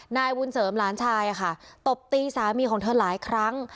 นายบุญเสริมหลานชายค่ะตบตีสามีของเธอหลายครั้ง